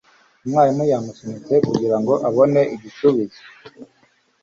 Umwarimu yamusunitse kugirango abone igisubizo.